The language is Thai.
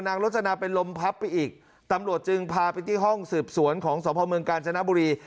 โรจนาเป็นลมพับไปอีกตำรวจจึงพาไปที่ห้องสืบสวนของสพเมืองกาญจนบุรี